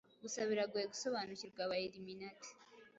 gusa biragoye gusobanukirwa aba Illuminati